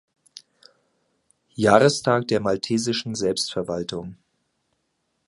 Jahrestag der maltesischen Selbstverwaltung.